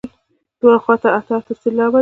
دواړو خواوو ته اته اته سېلابه لري.